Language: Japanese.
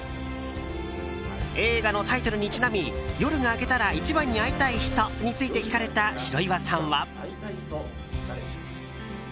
映画のタイトルにちなみ夜が明けたら一番に会いたい人について聞かれた白岩さんは。